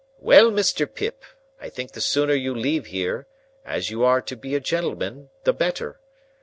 "Well, Mr. Pip, I think the sooner you leave here—as you are to be a gentleman—the better.